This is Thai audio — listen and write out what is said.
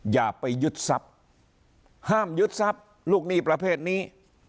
อย่าไปยึดทรัพย์ห้ามยึดทรัพย์ลูกหนี้ประเภทนี้